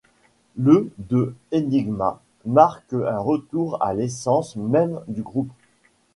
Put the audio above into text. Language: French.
Le de Enigma marque un retour à l'essence même du groupe.